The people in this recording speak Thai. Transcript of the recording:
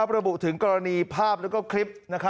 ระบุถึงกรณีภาพและคลิป